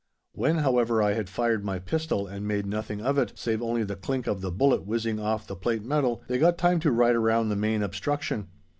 When, however, I had fired my pistol and made nothing of it, save only the clink of the bullet whizzing off the plate metal, they got time to ride round the main obstruction.